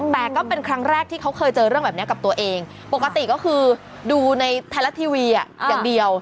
แต่ก็เป็นครั้งแรกที่เขาเคยเจอเรื่องแบบนี้กับตัวเองปกติก็คือดูในไทยรัฐทีวีอย่างเดียว